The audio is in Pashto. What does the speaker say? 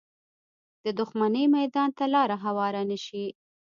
د دښمنۍ میدان ته لاره هواره نه شي